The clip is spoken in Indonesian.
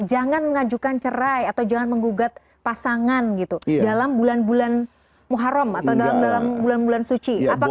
jangan mengajukan cerai atau jangan menggugat pasangan gitu dalam bulan bulan muharam atau dalam bulan bulan suci